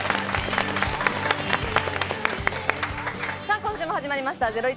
今週も始まりました『ゼロイチ』。